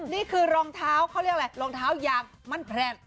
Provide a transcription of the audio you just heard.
นี่คือรองเท้าเขาเรียกอะไรรองเท้ายางมั่นแพร่